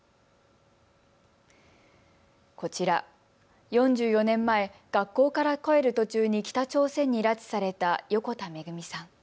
こちら、４４年前、学校から帰る途中に北朝鮮に拉致された横田めぐみさん。